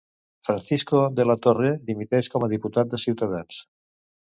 Francisco de la Torre dimiteix com a diputat de Cs.